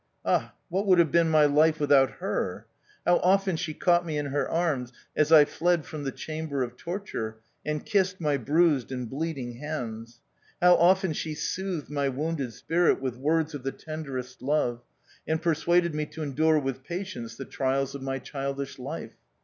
Ah, what would have been my life without her ! How often she caught me in her arms as I fled from the chamber of torture, and kissed my bruised and bleeding hands ! How often she soothed my wounded spirit with words of the tenderest love, and persuaded me to endure with patience the trials of my child ish life!